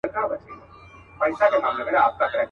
هم په عمر هم په وزن برابر وه.